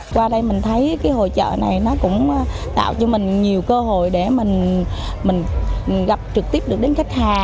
trong những ngày diễn ra hội chợ người tiêu dùng không chỉ được mua hàng với chính sách giá đặc biệt